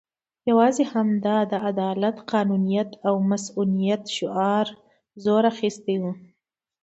یوازې همدا د عدالت، قانونیت او مصونیت شعار زور اخستی وو.